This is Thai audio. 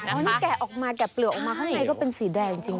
อันนี้แกะออกมาแกะเปลือกออกมาข้างในก็เป็นสีแดงจริง